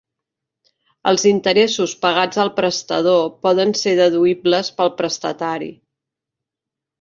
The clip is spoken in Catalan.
Els interessos pagats al prestador poden ser deduïbles pel prestatari.